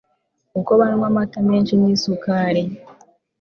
uko banywa amata menshi nisukari